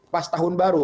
pas tahun baru